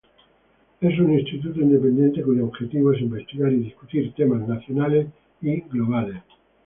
Es un instituto independiente cuyo objetivo es investigar y discutir temas nacionales y globales.